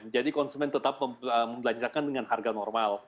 jadi konsumen tetap membelanjakan dengan harga normal